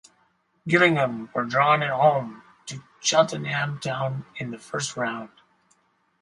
Gillingham were drawn at home to Cheltenham Town in the first round.